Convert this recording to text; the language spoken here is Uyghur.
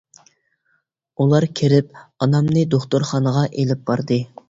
ئۇلار كىرىپ ئانامنى دوختۇرخانىغا ئېلىپ باردى.